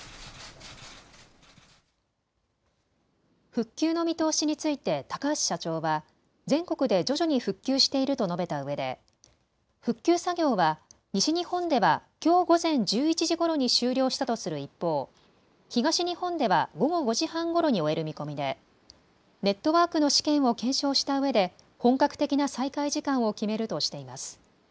復旧の見通しについて高橋社長は全国で徐々に復旧していると述べたうえで復旧作業は西日本ではきょう午前１１時ごろに終了したとする一方、東日本では午後５時半ごろに終える見込みでネットワークの試験を検証したうえで本格的な再開時間を決めるとしています。